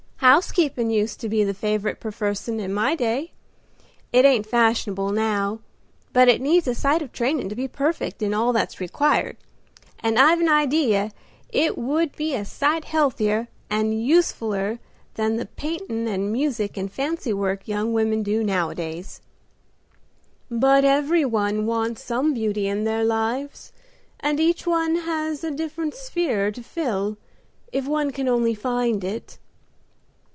"Housekeepin' used to be the favorite perfessun in my day. It ain't fashionable now, but it needs a sight of trainin' to be perfect in all that's required, and I've an idee it would be a sight healthier and usefuller than the paintin' and music and fancy work young women do nowadays." "But every one wants some beauty in their lives, and each one has a different sphere to fill, if one can only find it."